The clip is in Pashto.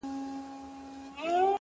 گوره را گوره وه شپوږمۍ ته گوره!